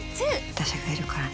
私がいるからね。